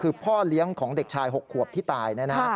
คือพ่อเลี้ยงของเด็กชาย๖ขวบที่ตายนะฮะ